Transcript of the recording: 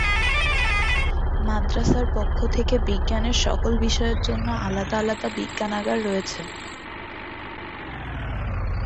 মাদ্রাসার পক্ষ থেকে বিজ্ঞানের সকল বিষয়ের জন্য আলাদা আলাদা বিজ্ঞানাগার রয়েছে।